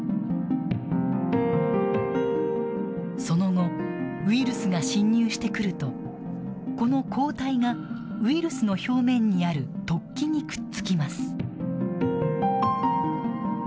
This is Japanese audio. その後ウイルスが侵入してくるとこの抗体がウイルスの表面にある突起にくっつきます。